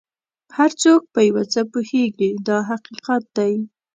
هر څوک په یو څه پوهېږي دا حقیقت دی.